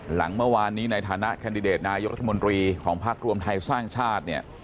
หลังเมื่อวานนี้ในฐานะแคนดิเดตนายกรัฐมนตรีของพักรวมไทยสร้างชาติเนี่ย